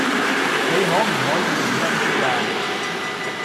你可唔可以認真 D 呀？